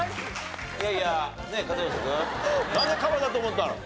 いやいや片寄君なんでカバだと思ったの？